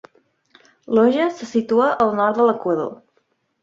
Loja se situa al nord de l'Equador.